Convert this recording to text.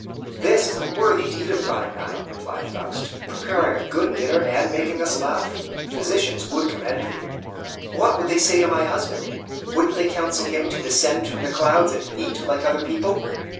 "This is a worthy deed of thine, madam," replied Faust, "preparing a good dinner, and making us laugh. Physicians would commend thee." "What would they say to my husband? wouldn't they counsel him to descend from the clouds and eat like other people?"